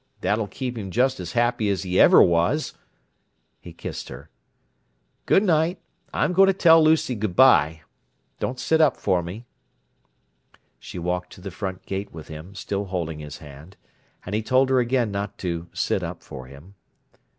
That'll keep him just as happy as he ever was!" He kissed her. "Good night, I'm going to tell Lucy good bye. Don't sit up for me." She walked to the front gate with him, still holding his hand, and he told her again not to "sit up" for him.